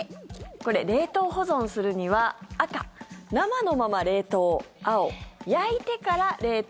これ、冷凍保存するには赤、生のまま冷凍青、焼いてから冷凍。